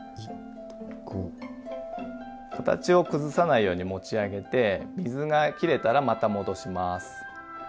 形を崩さないように持ち上げて水がきれたらまた戻します。